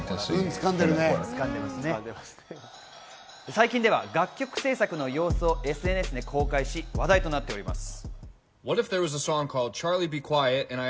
最近では楽曲制作の様子をＳＮＳで公開し、話題となっています。